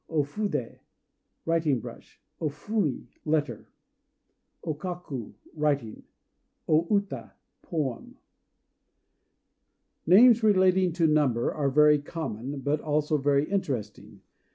O Fudé "Writing Brush." O Fumi "Letter." O Kaku "Writing." O Uta "Poem." Names relating to number are very common, but also very interesting.